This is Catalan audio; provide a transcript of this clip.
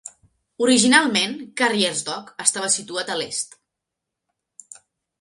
Originalment, Carriers' Dock estava situat a l'est.